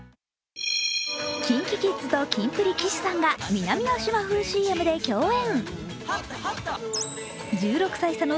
ＫｉｎＫｉＫｉｄｓとキンプリ・岸さんが南の島風ＣＭで共演。